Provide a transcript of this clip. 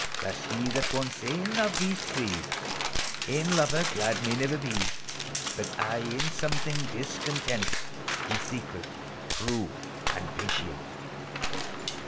Thus he that wants ane of these three Ane lover glad may never be. But aye in some thing discontent: Be secret, true and patient